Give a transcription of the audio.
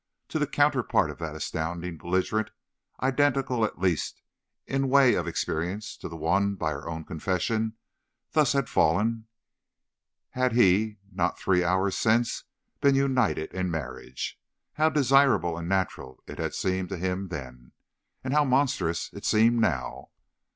To the counterpart of that astounding belligerent—identical at least, in the way of experience—to one, by her own confession, thus far fallen, had he, not three hours since, been united in marriage. How desirable and natural it had seemed to him then, and how monstrous it seemed now!